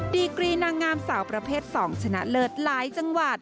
ดีกรีนางงามสาวประเภท๒ชนะเลิศหลายจังหวัด